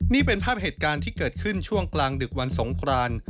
นี่เป็นภาพเหตุการณ์ที่เกิดขึ้นช่วงกลางดึกวันสงคราน